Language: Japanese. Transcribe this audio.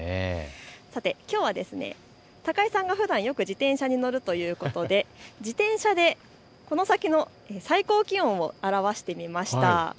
きょうは高井さんがふだん自転車によく乗るということで自転車でこの先の最高気温を表してみました。